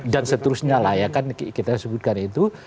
dan seterusnya lah ya kan kita sebutkan itu